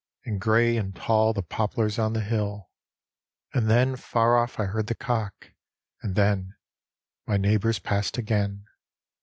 And gray and tall the poplars on the hill; And then far off I heard the cock — and then My neighbors passed again.